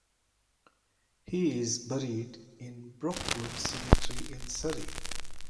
He is buried in Brookwood Cemetery in Surrey.